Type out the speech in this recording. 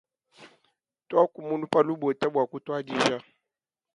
Tuaku munu pa lubota bua kutuadija .